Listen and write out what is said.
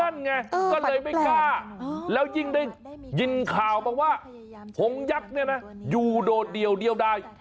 นั่นไงก็เลยไม่กล้าแล้วยิ่งได้ยินข่าวมาว่าพงยักษ์เนี่ยนะอยู่โดดเดียวได้